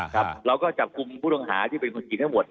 เราก็จับกลุ่มผู้ต้องหาที่เป็นคนจีนทั้งหมด